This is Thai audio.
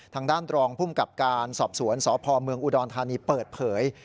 ทางด้านรองภูมิกับการสอบสวนสพเมืองอุดรธานีเปิดเผย